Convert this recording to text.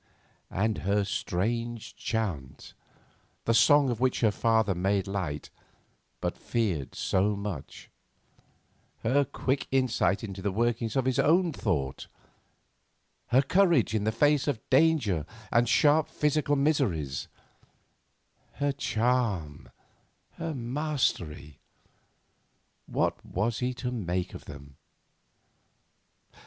And her strange chant, the song of which her father made light, but feared so much; her quick insight into the workings of his own thought; her courage in the face of danger and sharp physical miseries; her charm, her mastery. What was he to make of them?